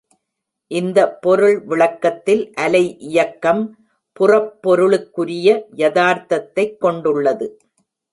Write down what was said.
இந்த பொருள் விளக்கத்தில் அலை இயக்கம் புறப்பொருளுக்குரிய யதார்த்தத்தைக் கொண்டுள்ளது.